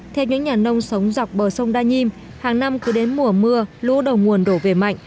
theo những nhà nông sống dọc bờ sông đa nhiêm hàng năm cứ đến mùa mưa lũ đầu nguồn đổ về mạnh